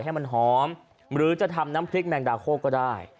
ให้มันหอมหรือจะทำน้ำพริกแมงดาโคกก็ได้